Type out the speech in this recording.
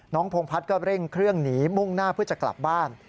พงพัฒน์ก็เร่งเครื่องหนีมุ่งหน้าเพื่อจะกลับบ้าน